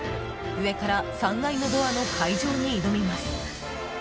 上から３階のドアの解錠に挑みます。